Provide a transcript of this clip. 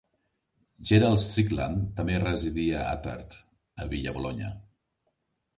Gerald Strickland també residia Attard, a Villa Bologna.